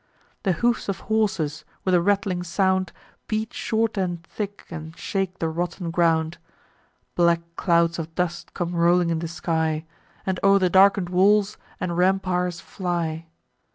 The hoofs of horses, with a rattling sound, Beat short and thick, and shake the rotten ground. Black clouds of dust come rolling in the sky, And o'er the darken'd walls and rampires fly.